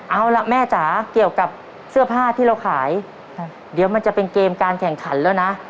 เอาล่ะแม่จ๋าเกี่ยวกับเสื้อผ้าที่เราขายเดี๋ยวมันจะเป็นเกมการแข่งขันแล้วนะ